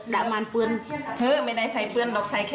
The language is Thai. ด้ามานปืน